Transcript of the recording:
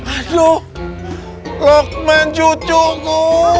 aduh lukman cucuku